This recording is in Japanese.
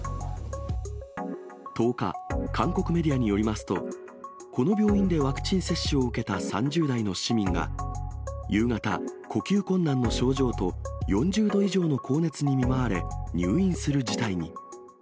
１０日、韓国メディアによりますと、この病院でワクチン接種を受けた３０代の市民が夕方、呼吸困難の症状と４０度以上の高熱に見舞われ、入院する事態に。